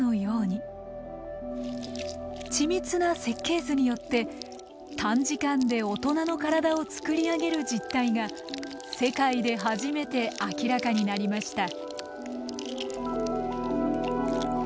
緻密な設計図によって短時間で大人の体を作り上げる実態が世界で初めて明らかになりました。